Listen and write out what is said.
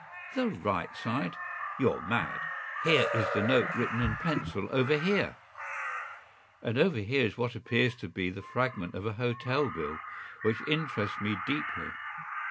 ” “The right side? You’re mad! Here is the note written in pencil over here.” “And over here is what appears to be the fragment of a hotel bill, which interests me deeply.